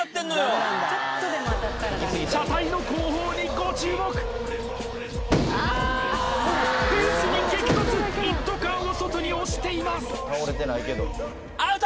車体の後方にご注目フェンスに激突一斗缶を外に押していますアウト！